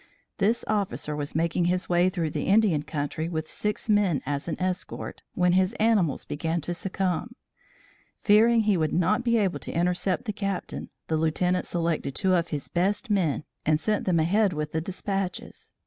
This officer was making his way through the Indian country with six men as an escort, when his animals began to succumb. Fearing he would not be able to intercept the Captain, the Lieutenant selected two of his best men and sent them ahead with the despatches.